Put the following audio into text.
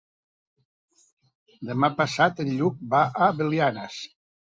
Demà passat en Lluc va a Belianes.